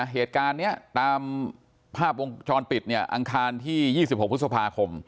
เหตุการณ์นี้ตามภาพวงจรปิดเนี่ยอังคารที่๒๖พฤษภาคม